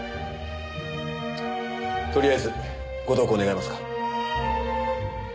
とりあえずご同行願えますか？